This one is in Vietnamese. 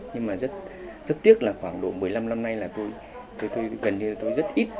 nhưng mà rất tiếc là khoảng độ một mươi năm năm nay là tôi gần như tôi rất ít